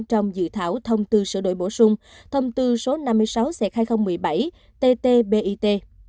trong dự thảo thông tư sửa đổi bổ sung thông tư số năm mươi sáu hai nghìn một mươi bảy ttbit